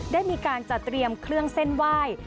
ได้มีการจัดเตรียมเครื่องเส้นไหว้